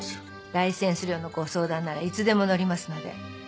ライセンス料のご相談ならいつでも乗りますので。